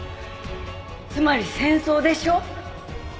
つまり戦争でしょ？